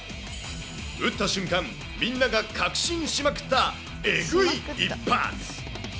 打った瞬間、みんなが確信しまくったえぐい一発。